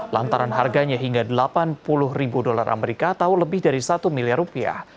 lantaran harganya hingga delapan puluh ribu dolar amerika atau lebih dari satu miliar rupiah